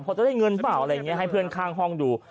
พอจะได้เงินเปล่าอะไรอย่างนี้ให้เพื่อนข้างห้องดู